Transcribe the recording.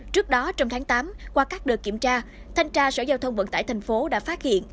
trước đó trong tháng tám qua các đợt kiểm tra thanh tra sở giao thông vận tải thành phố đã phát hiện